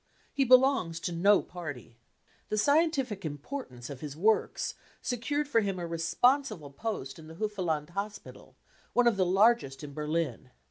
He belongs to no party. The scientific importance of his works secured for him a responsible post in the Hufeland Hospital, one of the largest in Berlin.